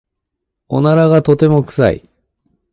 おならがとても臭い。